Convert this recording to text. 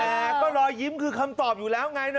แต่ก็รอยยิ้มคือคำตอบอยู่แล้วไงนะ